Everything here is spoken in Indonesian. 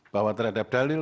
bahwa terhadap dalil